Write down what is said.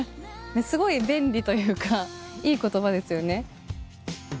すごい便利というかいい言葉ですよね。